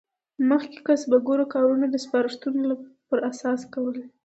مخکې کسبګرو کارونه د سپارښتونو پر اساس کول.